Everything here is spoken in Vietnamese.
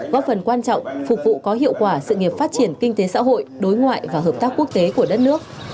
góp phần quan trọng phục vụ có hiệu quả sự nghiệp phát triển kinh tế xã hội đối ngoại và hợp tác quốc tế của đất nước